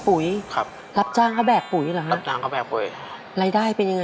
พี่ก็ต้องเป็นภาระของน้องของแม่อีกอย่างหนึ่ง